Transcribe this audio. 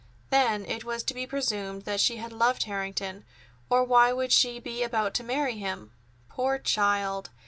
Then, it was to be presumed that she had loved Harrington, or why should she be about to marry him? Poor child!